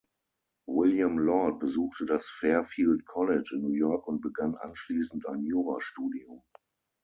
William Lord besuchte das "Fairfield College" in New York und begann anschließend ein Jurastudium.